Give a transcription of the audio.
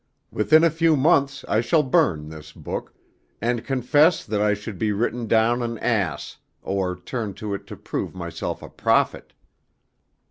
Within a few months I shall burn this book, and confess that I should be written down an ass, or turn to it to prove myself a prophet.